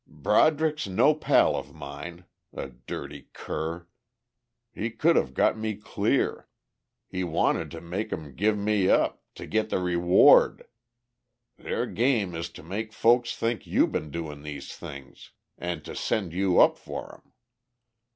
"Broderick's no pal of mine. The dirty cur. He could of got me clear.... He wanted to make 'em give me up, to git the reward.... Their game is to make folks think you been doing these things, and to send you up for 'em."